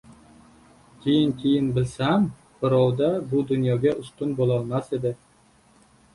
Keyin-keyin bilsam, birov-da bu dunyoga ustun bo‘lolmas edi...